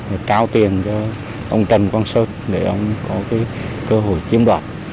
và trao tiền cho ông trần quang sơn để ông có cái cơ hội chiếm đoạt